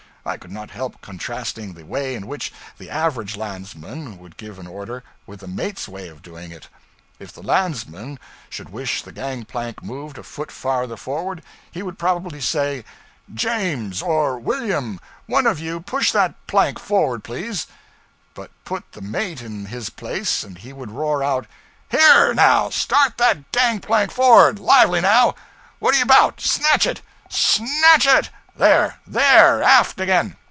I could not help contrasting the way in which the average landsman would give an order, with the mate's way of doing it. If the landsman should wish the gang plank moved a foot farther forward, he would probably say: 'James, or William, one of you push that plank forward, please;' but put the mate in his place and he would roar out: 'Here, now, start that gang plank for'ard! Lively, now! what're you about! Snatch it! SNATCH it! There! there! Aft again!